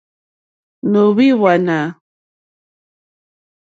Nǒhwì hwánà.